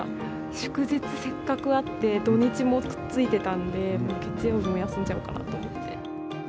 祝日せっかくあって、土日もくっついてたので、月曜日も休んじゃおうかなと思って。